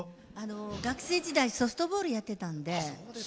学生時代ソフトボールやってたんで。